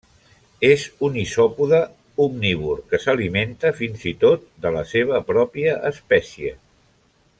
És un isòpode omnívor que s'alimenta fins i tot de la seva pròpia espècie.